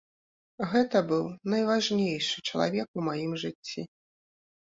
Гэта быў найважнейшы чалавек у маім жыцці.